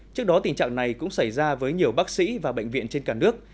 trước đó tình trạng này cũng xảy ra với nhiều bác sĩ và bệnh viện trên cả nước